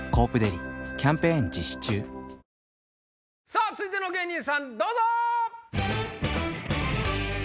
さぁ続いての芸人さんどうぞ！